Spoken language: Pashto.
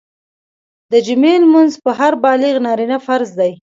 د جمعي لمونځ په هر بالغ نارينه فرض دی